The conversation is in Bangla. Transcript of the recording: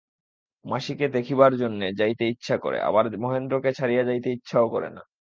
মাসিকে দেখিবার জন্য যাইতে ইচ্ছা করে, আবার মহেন্দ্রকে ছাড়িয়া যাইতে ইচ্ছাও করে না।